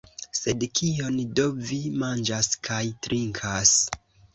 Sed kion do vi manĝas kaj trinkas?